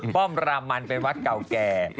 ป้อมรามันเป็นวัดเก่าแก่